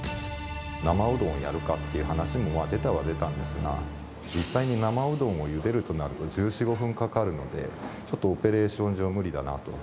生うどんをやるかっていう話も出たは出たんですが、実際に生うどんをゆでるとなると１４、５分かかるので、ちょっとオペレーション上、無理だなと。